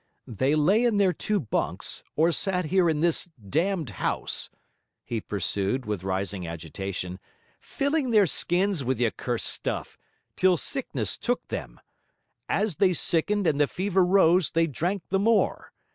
'They lay in their two bunks, or sat here in this damned house,' he pursued, with rising agitation, 'filling their skins with the accursed stuff, till sickness took them. As they sickened and the fever rose, they drank the more.